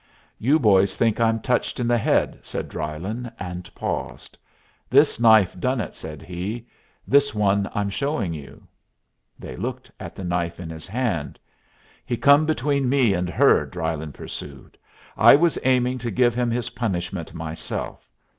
"You boys think I'm touched in the head," said Drylyn, and paused. "This knife done it," said he. "This one I'm showing you." They looked at the knife in his hand. "He come between me and her," Drylyn pursued. "I was aiming to give him his punishment myself.